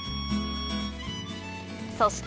そして